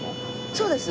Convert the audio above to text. そうです。